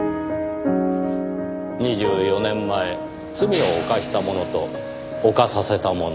２４年前罪を犯した者と犯させた者。